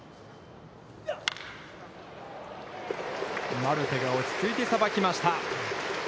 マルテが落ちついてさばきました。